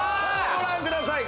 ご覧ください！